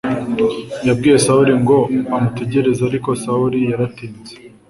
yabwiye sawuli ngo amutegereze ariko samweli yaratinze.